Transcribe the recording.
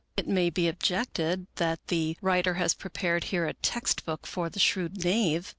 It may be objected that the writer has prepared here a text book for the shrewd knave.